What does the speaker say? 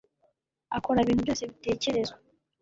akora ibintu byose bitekerezwa